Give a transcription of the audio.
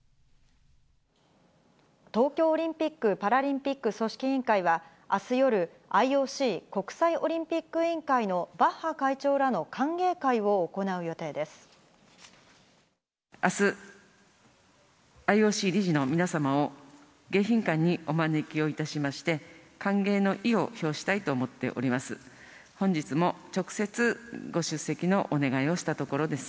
見東京オリンピック・パラリンピック組織委員会は、あす夜、ＩＯＣ・国際オリンピック委員会のバッハ会長らの歓迎会を行う予あす、ＩＯＣ理事の皆様を迎賓館にお招きをいたしまして、歓迎の意を表したいと思っております。